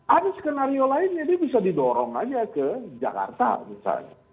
ada skenario lainnya dia bisa didorong aja ke jakarta misalnya